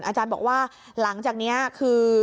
อาจารย์บอกว่าหลังจากนี้คือ